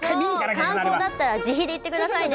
観光だったら自費で行ってくださいね。